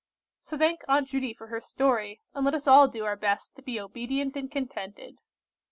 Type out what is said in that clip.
So thank Aunt Judy for her story, and let us all do our best to be obedient and contented."